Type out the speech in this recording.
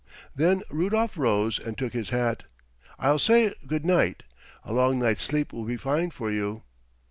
Then Rudolf rose and took his hat. "I'll say good night. A long night's sleep will be fine for you."